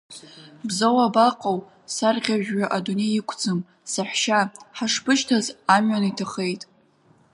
Бзоу абаҟоу, сарӷьажәҩа адунеи иқәӡам, саҳәшьа, ҳашбышьҭаз, амҩан иҭахеит.